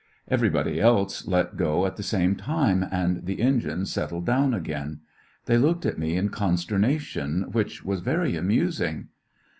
Everybody else let go at the same time, and the engine settled down again. They looked at me in consternation, which was very amusing.